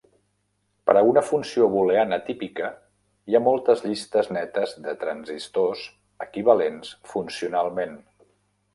Per a una funció booleana típica, hi ha moltes llistes netes de transistors equivalents funcionalment.